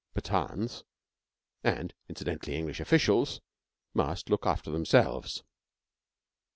Pathans and, incidentally, English officials must look after themselves.